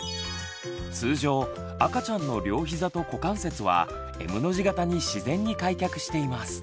通常赤ちゃんの両ひざと股関節はＭの字形に自然に開脚しています。